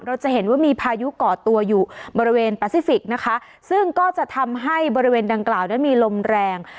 เราจะเห็นว่ามีพายุก่อตัวอยู่บริเวณแปซิฟิกนะคะซึ่งก็จะทำให้บริเวณดังกล่าวนั้นมีลมแรง